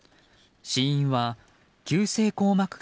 死因は急性硬膜